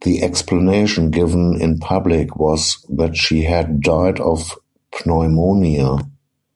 The explanation given in public was that she had died of pneumonia.